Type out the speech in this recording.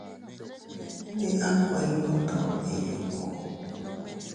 Ndi a kuinno tu iyuku.